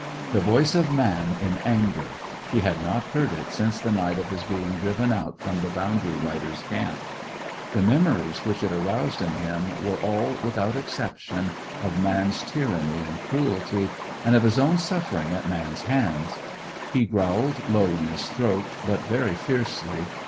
The voice of man in anger; he had not heard it since the night of his being driven out from the boundary rider's camp. The memories which it aroused in him were all, without exception, of man's tyranny and cruelty, and of his own suffering at man's hands. He growled low in his throat, but very fiercely.